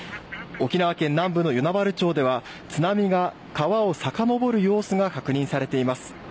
沖縄県南部の米原町では津波が川をさかのぼる様子が確認されています。